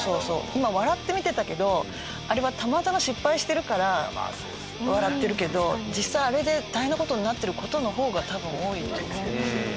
今笑って見てたけどあれはたまたま失敗してるから笑ってるけど実際あれで大変な事になってる事の方が多分多いと思うんですよね。